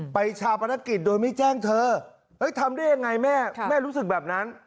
ชาปนกิจโดยไม่แจ้งเธอทำได้ยังไงแม่แม่รู้สึกแบบนั้น